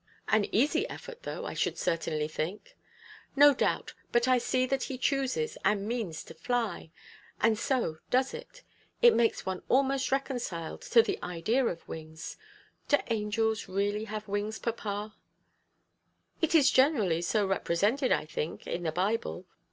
"An easy effort, though, I should certainly think." "No doubt. But I see that he chooses and means to fly, and so does it. It makes one almost reconciled to the idea of wings. Do angels really have wings, papa?" "It is generally so represented, I think, in the Bible.